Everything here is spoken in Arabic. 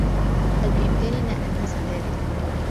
هل بإمكاننا أن ننسى ذلك؟